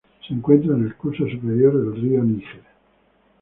Se encuentra en el curso superior del río Níger.